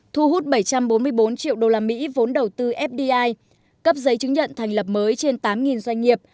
bảy trăm bốn mươi bốn triệu đô la mỹ vốn đầu tư fdi cấp giấy chứng nhận thành lập mới trên tám doanh nghiệp